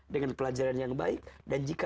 dengan pelajaran yang baik